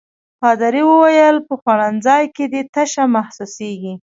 پادري وویل: په خوړنځای کې دي تشه محسوسيږي.